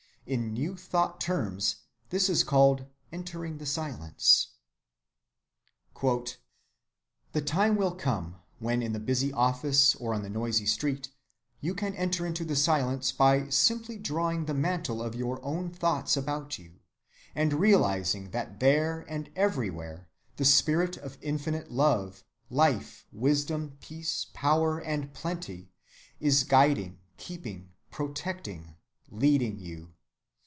In New Thought terms, this is called 'entering the silence.' "(59) "The time will come when in the busy office or on the noisy street you can enter into the silence by simply drawing the mantle of your own thoughts about you and realizing that there and everywhere the Spirit of Infinite Life, Love, Wisdom, Peace, Power, and Plenty is guiding, keeping, protecting, leading you.